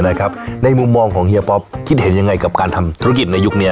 ในมุมมองของเฮียป๊อปคิดเห็นยังไงกับการทำธุรกิจในยุคนี้